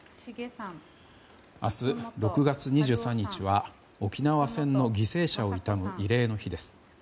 明日６月２３日は沖縄戦の犠牲者を悼む慰霊の日です。